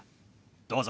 どうぞ。